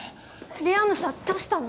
リアムさんどうしたの？